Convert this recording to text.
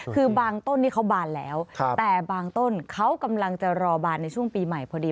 คือบางต้นนี่เขาบานแล้วแต่บางต้นเขากำลังจะรอบานในช่วงปีใหม่พอดี